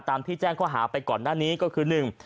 ตามที่แจ้งเขาหาไปก่อนหน้านี้ก็คือ